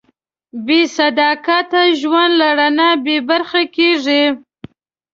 بېصداقته ژوند له رڼا بېبرخې کېږي.